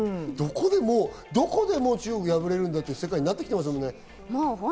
どこで中国が破れるんだという世界になってきていますね。